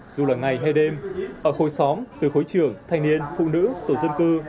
dù là ngày hay đêm ở khối xóm từ khối trưởng thanh niên phụ nữ tổ dân cư